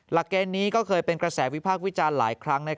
หลักเกณฑ์นี้ก็เคยเป็นกระแสวิพากษ์วิจารณ์หลายครั้ง